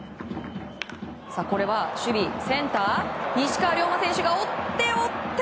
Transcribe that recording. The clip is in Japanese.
これは、守備センター西川龍馬選手が追って、追って。